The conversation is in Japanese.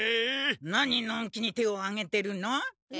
なにのんきに手をあげてるの？え？